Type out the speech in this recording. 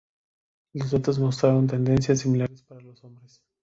Los datos mostraron tendencias similares para los hombres.